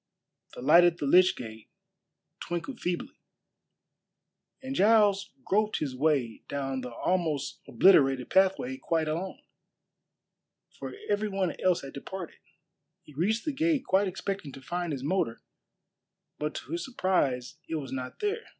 The light at the lych gate twinkled feebly, and Giles groped his way down the almost obliterated pathway quite alone, for every one else had departed. He reached the gate quite expecting to find his motor, but to his surprise it was not there.